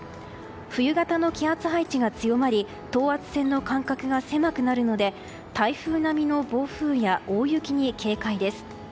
冬型の気圧配置が強まり等圧線の間隔が狭くなるので台風並みの暴風や大雪に警戒です。